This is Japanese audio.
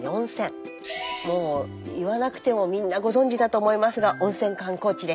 もう言わなくてもみんなご存じだと思いますが温泉観光地です。